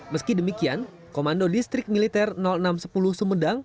meski demikian komando distrik militer enam ratus sepuluh sumedang